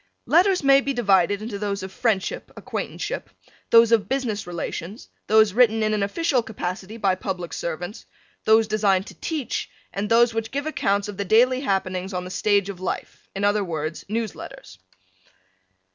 Letters may be divided into those of friendship, acquaintanceship, those of business relations, those written in an official capacity by public servants, those designed to teach, and those which give accounts of the daily happenings on the stage of life, in other words, news letters.